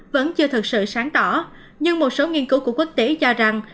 vẫn chưa thật sự sáng tỏ nhưng một số nghiên cứu của quốc tế cho rằng